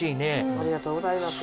ありがとうございます。